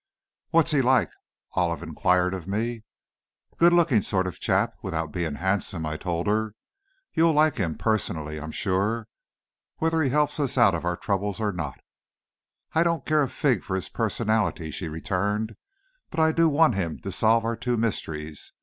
"What's he like?" Olive inquired of me. "Good looking sort of chap, without being handsome," I told her. "You'll like his personality, I'm sure, whether he helps us out of our troubles or not." "I don't care a fig for his personality," she returned, "but I do want him to solve our two mysteries.